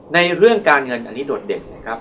ในเรื่องการเงินอันนี้โดดเด่นนะครับ